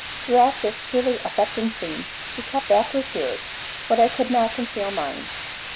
Throughout this truly affecting scene she kept back her tears, but I could not conceal mine.